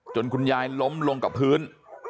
คุณยายล้มลงกับพื้น